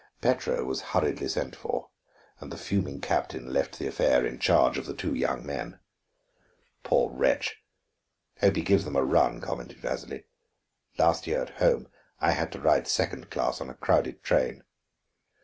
Petro was hurriedly sent for, and the fuming captain left the affair in charge of the two young men. "Poor wretch; hope he gives them a run," commented Vasili. "Last year, at home, I had to ride second class on a crowded train.